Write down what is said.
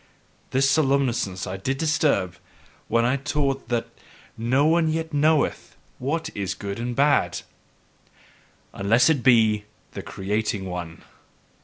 This somnolence did I disturb when I taught that NO ONE YET KNOWETH what is good and bad: unless it be the creating one!